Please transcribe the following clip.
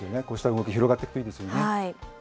こうした動き、広がっていくといいですよね。